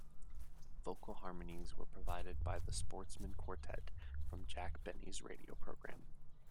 Vocal harmonies were provided by The Sportsmen Quartet, from Jack Benny's radio program.